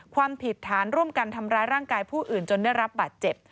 ความผิดฐานร่วมกันทำร้ายร่างกายผู้อื่นจนได้รับบาดเจ็บ